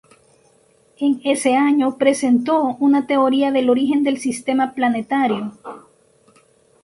En ese año presentó una teoría del origen del sistema planetario.